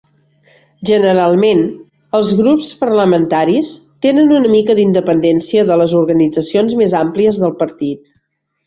Generalment, els grups parlamentaris tenen una mica d'independència de les organitzacions més amplies del partit.